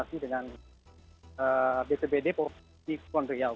masih dengan bpbd provinsi keputusan riau